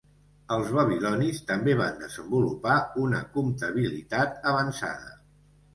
Els babilonis també van desenvolupar una comptabilitat avançada.